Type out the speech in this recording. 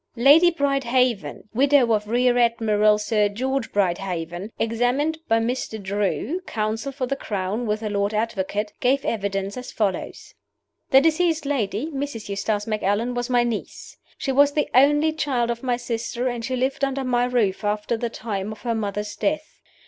Lady Brydehaven, widow of Rear Admiral Sir George Brydehaven, examined by Mr. Drew (counsel for the Crown with the Lord Advocate), gave evidence as follows: "The deceased lady (Mrs. Eustace Macallan) was my niece. She was the only child of my sister, and she lived under my roof after the time of her mother's death.